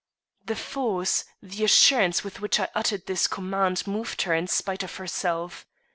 The force, the assurance with which I uttered this command moved her in spite of herself.